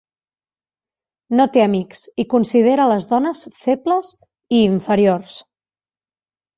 No té amics, i considera les dones febles i inferiors.